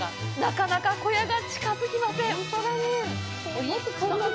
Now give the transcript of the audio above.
なかなか小屋が近づきません。